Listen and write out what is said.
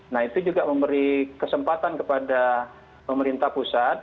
nah itu juga memberi kesempatan kepada pemerintah pusat